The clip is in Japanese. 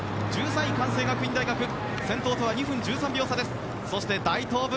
１３位、関西学院大学先頭とは２分１３秒差。